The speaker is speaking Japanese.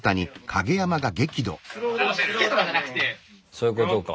そういうことか。